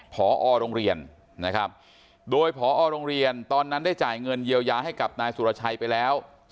พอโรงเรียนนะครับโดยพอโรงเรียนตอนนั้นได้จ่ายเงินเยียวยาให้กับนายสุรชัยไปแล้ว